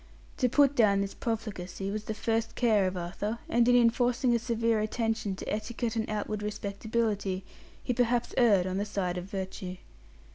To put down this profligacy was the first care of Arthur; and in enforcing a severe attention to etiquette and outward respectability, he perhaps erred on the side of virtue.